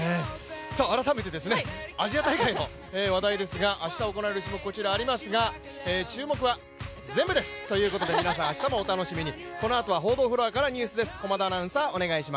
改めてアジア大会の話題ですが明日行われる種目ありますが、注目は全部ですということで、皆さん、明日もお楽しみに。